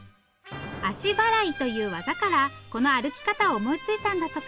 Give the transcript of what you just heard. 「足払い」という技からこの歩き方を思いついたんだとか。